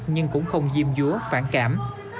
nhưng cũng không diêm dứa phản cảm